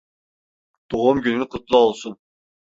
Doğumgünün kutlu olsun.